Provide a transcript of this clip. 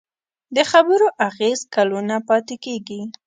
د خبرو اغېز کلونه پاتې کېږي.